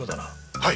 はい。